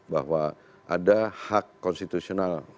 bahwa ada hak konstitusional